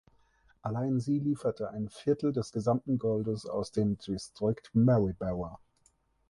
Allein sie lieferte ein Viertel des gesamten Goldes aus dem Distrikt Maryborough.